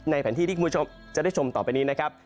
แผนที่ที่คุณผู้ชมจะได้ชมต่อไปนี้นะครับ